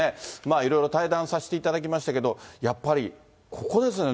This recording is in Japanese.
いろいろ対談させていただきましたけど、やっぱりここですよね。